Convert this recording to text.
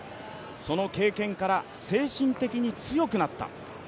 その経験から精神的に強くなった。